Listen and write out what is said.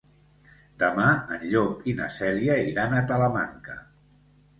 Demà en Llop i na Cèlia iran a Talamanca.